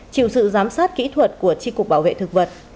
chịu sự giám sát kỹ thuật của tri cục bảo vệ thực vật